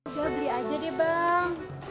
jual beli aja deh bang